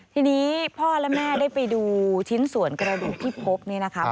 ทีนี้พ่อและแม่ได้ไปดูชิ้นส่วนกระดูกที่พบนี่นะคะ